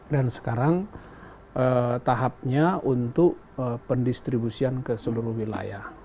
dan sekarang tahapnya untuk pendistribusian ke seluruh wilayah